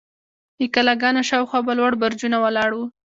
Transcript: د کلاګانو شاوخوا به لوړ برجونه ولاړ وو.